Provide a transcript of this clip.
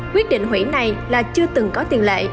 quyết định hủy này là chưa từng có tiền lệ